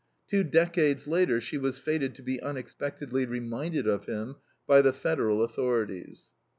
Two decades later she was fated to be unexpectedly reminded of him by the Federal authorities.